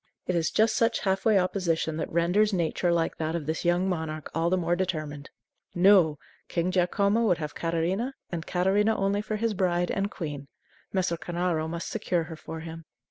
It is just such half way opposition that renders nature like that of this young monarch all the more determined. No! King Giacomo would have Catarina, and Catarina only, for his bride and queen. Messer Cornaro must secure her for him.